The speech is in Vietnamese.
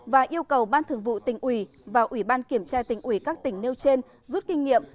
và yêu cầu ban thường vụ tỉnh ủy và ủy ban kiểm tra tỉnh ủy các tỉnh nêu trên rút kinh nghiệm